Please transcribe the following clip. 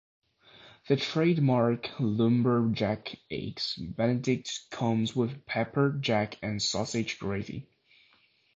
The "trademark lumberjack" Eggs Benedict comes with pepper jack and sausage gravy.